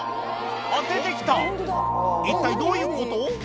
あっ出て来た一体どういうこと？